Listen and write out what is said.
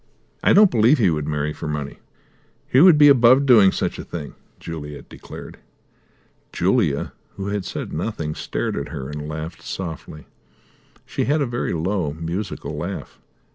"I don't believe he would marry for money. He would be above doing such a thing!" Juliet declared. Julia, who had said nothing, stared at her, and laughed softly. She had a very low, musical laugh.